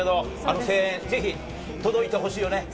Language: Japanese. あの声援、ぜひ届いてほしいよね。